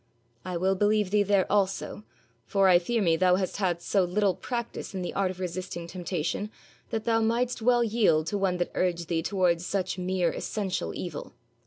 'I will believe thee there also, for I fear me thou hast had so little practice in the art of resisting temptation, that thou mightst well yield to one that urged thee towards such mere essential evil.